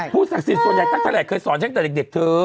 ศักดิ์สิทธิ์ส่วนใหญ่ตั้งแลกเคยสอนฉันตั้งแต่เด็กเธอ